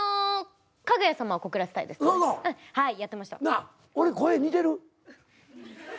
なあ俺声似てる？